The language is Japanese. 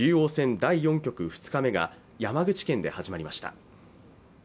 第４局２日目が山口県で始まりました